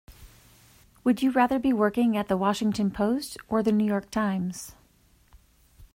Would you rather be working at "The Washington Post" or "The New York Times"?